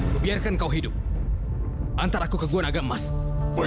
selamat menikmati waktu yang sempurna